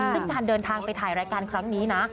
ซึ่งการเดินทางไปถ่ายรายการครั้งนี้นะ